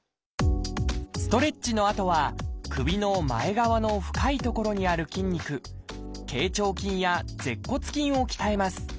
ストレッチのあとは首の前側の深い所にある筋肉頚長筋や舌骨筋を鍛えます。